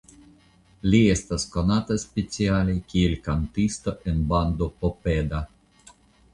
Li estas konata speciale kiel kantisto en bando Popeda.